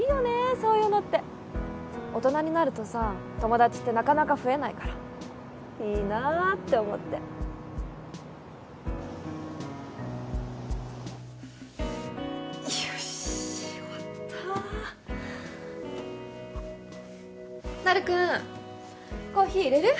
そういうのって大人になるとさ友達ってなかなか増えないからいいなって思ってよし終わったなるくんコーヒーいれる？